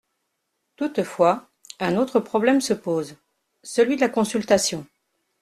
Toutefois, un autre problème se pose : celui de la consultation.